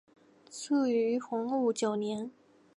卒于洪武九年。